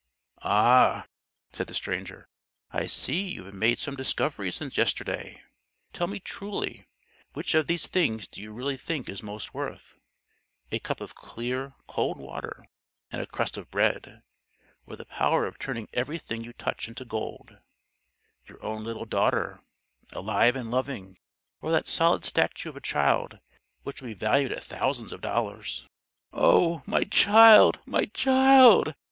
"Ah!" said the stranger, "I see you have made some discoveries since yesterday. Tell me truly, which of these things do you really think is most worth a cup of clear cold water and a crust of bread, or the power of turning everything you touch into gold; your own little daughter, alive and loving, or that solid statue of a child which would be valued at thousands of dollars?" "O my child, my child!"